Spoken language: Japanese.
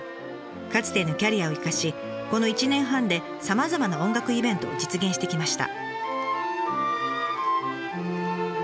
かつてのキャリアを生かしこの１年半でさまざまな音楽イベントを実現してきました。